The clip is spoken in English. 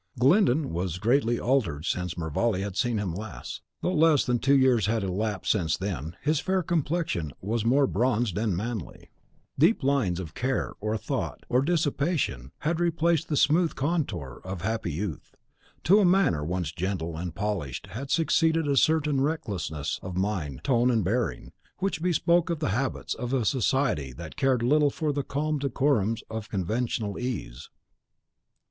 Glyndon was greatly altered since Mervale had seen him last. Though less than two years had elapsed since then, his fair complexion was more bronzed and manly. Deep lines of care, or thought, or dissipation, had replaced the smooth contour of happy youth. To a manner once gentle and polished had succeeded a certain recklessness of mien, tone, and bearing, which bespoke the habits of a society that cared little for the calm decorums of conventional ease.